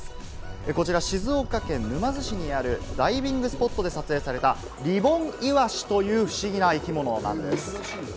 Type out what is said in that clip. こちら静岡県沼津市にあるダイビングスポットで撮影されたリボンイワシという不思議な生き物なんです。